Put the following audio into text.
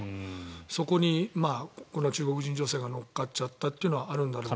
そこにこの中国人女性が乗っかっちゃったというのはあるんだろうけど。